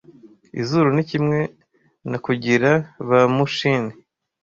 Izuru ni kimwe, na kugira ba mu chin--